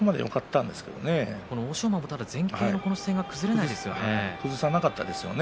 欧勝馬も前傾の姿勢が崩れなかったですね。